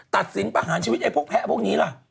ตัดสินประหารชีวิตไอ้พวกแพ้พวกนี้ล่ะ